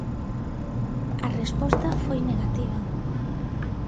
A resposta foi negativa.